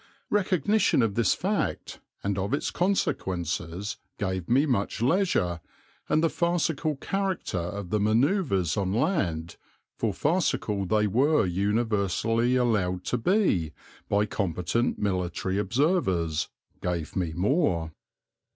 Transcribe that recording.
Recognition of this fact and of its consequences gave me much leisure, and the farcical character of the manoeuvres on land for farcical they were universally allowed to be by competent military observers gave me more.